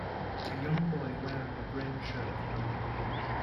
a young boy wearing a gren shirt running on the beach